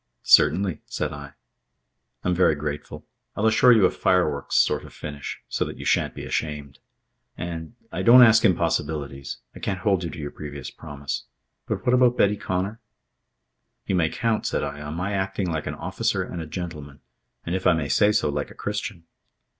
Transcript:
"Certainly," said I. "I'm very grateful. I'll assure you a fireworks sort of finish, so that you shan't be ashamed. And I don't ask impossibilities I can't hold you to your previous promise but what about Betty Connor?" "You may count," said I, "on my acting like an officer and a gentleman, and, if I may say so, like a Christian."